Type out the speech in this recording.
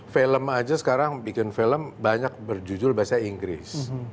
film aja sekarang bikin film banyak berjudul bahasa inggris